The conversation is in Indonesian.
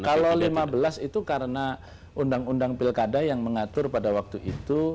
kalau lima belas itu karena undang undang pilkada yang mengatur pada waktu itu